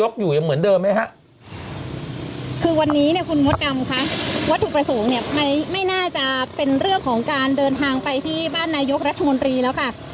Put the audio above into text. คือวันนี้เนี่ยคุณมดดำคะวัตถุประสงค์เนี่ยไม่น่าจะเป็นเรื่องของการเดินทางไปที่บ้านนายกรัฐมนตรีแล้วค่ะ